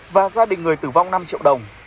và gia đình người tử vong năm triệu đồng